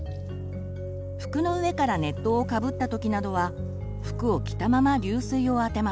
服の上から熱湯をかぶったときなどは服を着たまま流水を当てます。